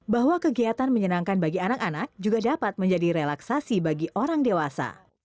bahwa kegiatan menyenangkan bagi anak anak juga dapat menjadi relaksasi bagi orang dewasa